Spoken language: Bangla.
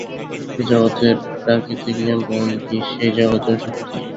এ-জগতের প্রাকৃতিক নিয়নকানুন কি সেই জগতেও সত্যি?